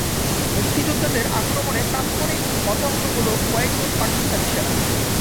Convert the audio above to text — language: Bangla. মুক্তিযোদ্ধাদের আক্রমণে তাৎক্ষণিক হতাহত হলো কয়েকজন পাকিস্তানি সেনা।